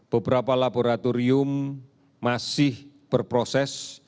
beberapa laboratorium masih berproses